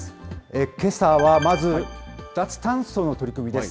けさはまず、脱炭素の取り組みです。